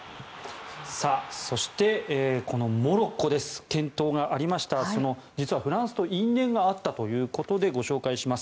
そしてこのモロッコです健闘がありました実はフランスと因縁があったということでご紹介します。